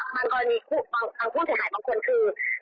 มันก็มีตัวค่อยถ่ายบางคนคือ